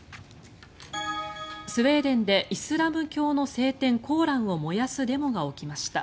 スウェーデンでイスラム教の聖典コーランを燃やすデモが起きました。